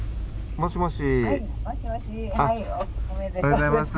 もしもしおめでとうございます。